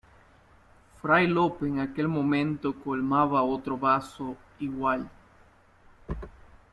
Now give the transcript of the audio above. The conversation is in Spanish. fray Lope, en aquel momento , colmaba otro vaso igual: